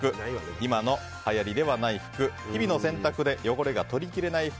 今の流行ではない服日々の洗濯で汚れが取り切れない服。